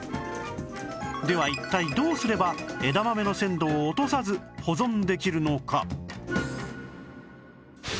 では一体どうすれば枝豆の鮮度を落とさず保存できるのか？